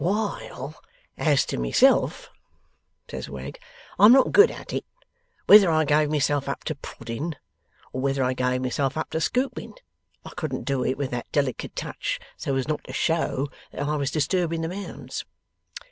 'While as to myself,' says Wegg, 'I am not good at it. Whether I gave myself up to prodding, or whether I gave myself up to scooping, I couldn't do it with that delicate touch so as not to show that I was disturbing the mounds.